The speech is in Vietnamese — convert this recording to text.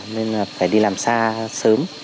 nên là phải đi làm xa sớm